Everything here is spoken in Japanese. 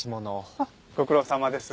あっご苦労さまです。